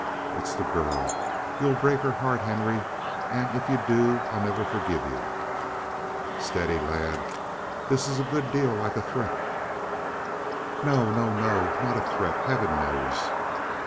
"It's the girl. You'll break her heart, Henry; and if you do I'll never forgive you." "Steady, lad. This is a good deal like a threat." "No, no, no! Not a threat, heaven knows!"